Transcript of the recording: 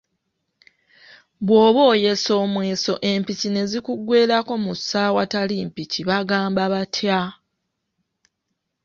Bw'oba oyesa omweso empiki ne zikugwerako mu ssa awatali mpiki bagamba batya?